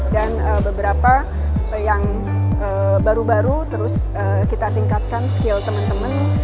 dan beberapa yang baru baru terus kita tingkatkan skill teman teman